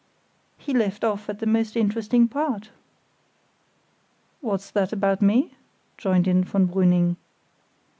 "He left off at the most interesting part." "What's that about me?" joined in von Brüning.